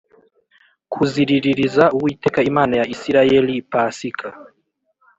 kuziriririza uwiteka imana ya isirayeli pasika